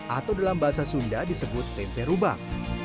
atau dalam bahasa sunda disebut tempe rubak